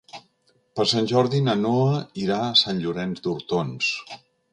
Per Sant Jordi na Noa irà a Sant Llorenç d'Hortons.